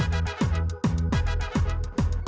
aduh gimana nih